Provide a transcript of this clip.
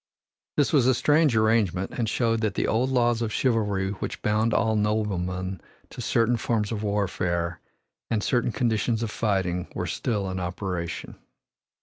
This was a strange agreement and showed that the old laws of chivalry which bound all noblemen to certain forms of warfare and certain conditions of fighting were still in operation.